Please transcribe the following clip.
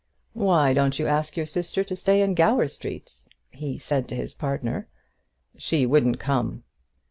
"Why don't you ask your sister to stay in Gower Street?" he said to his partner. "She wouldn't come."